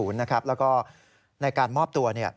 แล้วก็ในการมอบตัว